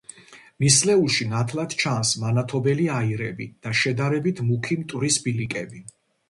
ნისლეულში ნათლად ჩანს მანათობელი აირები და შედარებით მუქი მტვრის ბილიკები.